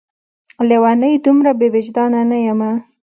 لېونۍ! دومره بې وجدان نه یمه